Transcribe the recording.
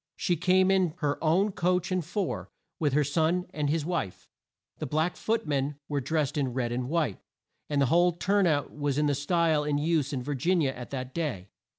She came in her own coach and four, with her son and his wife. The black foot men were drest in red and white, and the whole turn out was in the style in use in Vir gin i a at that day.